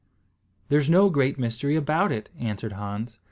"There's no great mystery about it," answered Hans.